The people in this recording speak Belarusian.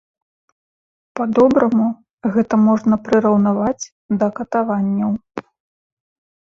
Па-добраму, гэта можна прыраўнаваць да катаванняў.